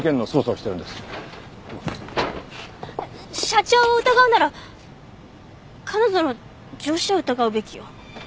社長を疑うなら彼女の上司を疑うべきよ。